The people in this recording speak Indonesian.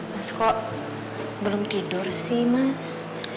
mas kok belum tidur sih mas